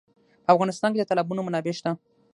په افغانستان کې د تالابونه منابع شته.